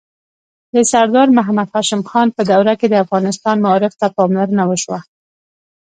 د سردار محمد هاشم خان په دوره کې د افغانستان معارف ته پاملرنه وشوه.